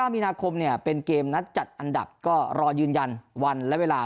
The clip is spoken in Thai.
มีนาคมเนี่ยเป็นเกมนัดจัดอันดับก็รอยืนยันวันและเวลา